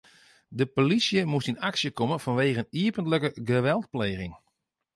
De polysje moast yn aksje komme fanwegen iepentlike geweldpleging.